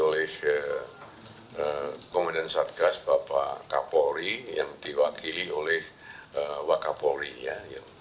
oleh komendan satgas bapak kapolri yang diwakili oleh wak kapolri ya